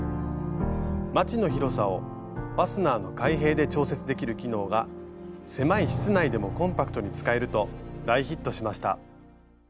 マチの広さをファスナーの開閉で調節できる機能が狭い室内でもコンパクトに使えると大ヒットしました。